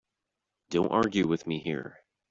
Don't argue with me here.